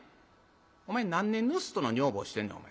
「お前何年盗人の女房してんねんお前。